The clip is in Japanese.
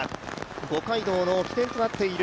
五街道の起点となっている